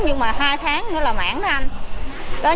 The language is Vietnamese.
nhưng mà hai tháng nữa là mãn đó anh